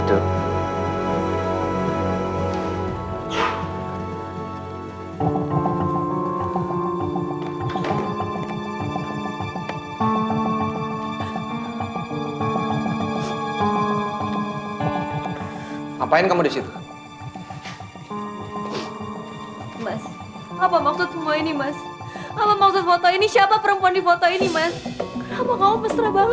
tidak ada apa apa lagi